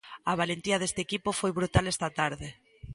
A valentía deste equipo foi brutal esta tarde.